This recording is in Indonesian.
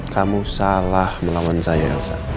kamu salah melawan saya elsa